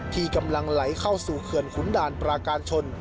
ที่กำลังไหลเข้าสู่เขื่อนขุนด่านปราการชน